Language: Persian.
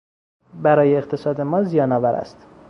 برای اقتصاد ما زیانآور است.